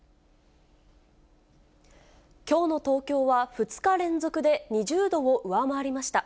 きょうの東京は、２日連続で２０度を上回りました。